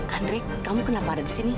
andre kamu kenapa ada di sini